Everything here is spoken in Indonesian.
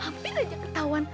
hampir aja ketahuan